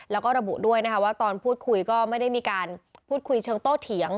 แล้วก็ระบุด้วยนะคะว่าตอนพูดคุยก็ไม่ได้มีการพูดคุยเชิงโต้เถียง